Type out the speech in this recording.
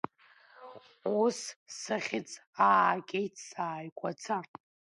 Ус сыхьӡ аагеит сааигәаӡа.